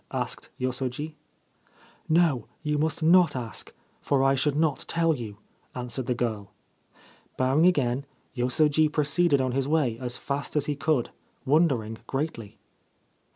' asked Yosoji. ' No : you must not ask, for I should not tell you/ answered the girl. Bowing again, Yosoji proceeded on his way as fast as he could, wondering greatly.